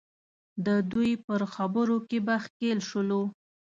د دوی پر خبرو کې به ښکېل شولو.